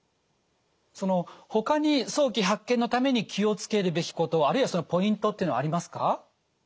ほかに早期発見のために気を付けるべきことあるいはそのポイントっていうのはありますか？